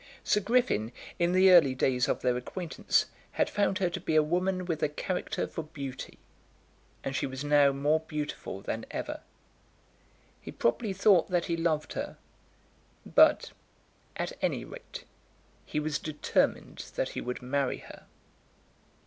Sir Griffin, in the early days of their acquaintance, had found her to be a woman with a character for beauty, and she was now more beautiful than ever. He probably thought that he loved her; but, at any rate, he was determined that he would marry her.